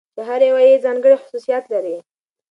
چې هره يوه يې ځانګړى خصوصيات لري .